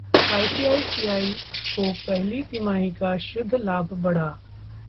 ICICI को पहली तिमाही का शुद्ध लाभ बढ़ा